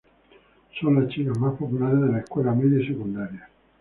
Son las chicas más populares en la escuela media y secundaria.